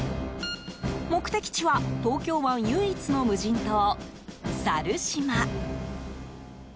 目的地は東京湾唯一の無人島、猿島。